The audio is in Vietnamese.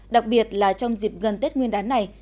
đặc biệt là trong dịp gần tết nguyên đán này